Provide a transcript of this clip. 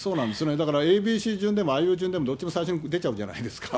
だからＡＢＣ順でも、あいうえお順でもどっちも最初に出ちゃうじゃないですか。